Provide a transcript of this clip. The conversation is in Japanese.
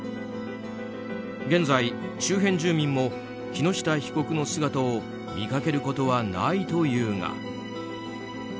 現在、周辺住民も木下被告の姿を見かけることはないというが。